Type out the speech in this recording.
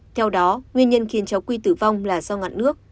theo đó nguyên nhân khiến cháu n c a qi tử vong là do ngạn nước